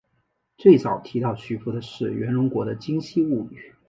最早提到徐福的是源隆国的今昔物语。